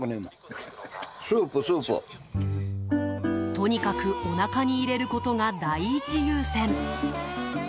とにかくおなかに入れることが第一優先。